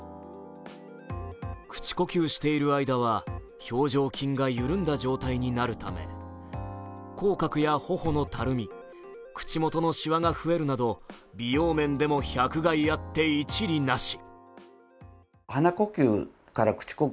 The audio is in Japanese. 口呼吸している間は表情筋が緩んだ状態になるため口角やほほのたるみ口元のしわが増えるなど美容面でも百害あって一利なし。